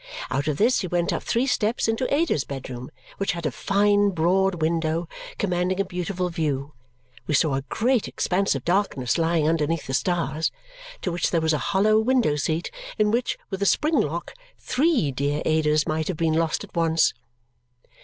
Out of this you went up three steps into Ada's bedroom, which had a fine broad window commanding a beautiful view (we saw a great expanse of darkness lying underneath the stars), to which there was a hollow window seat, in which, with a spring lock, three dear Adas might have been lost at once.